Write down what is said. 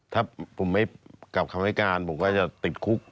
ถ้าผมไม่กลับคำให้การผมก็จะติดคุก